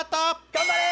頑張れ！